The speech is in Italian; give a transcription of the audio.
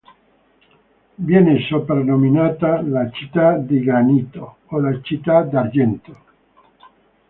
Viene soprannominata la" Città di Granito" o la" Città d'Argento".